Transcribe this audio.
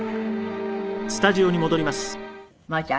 真央ちゃん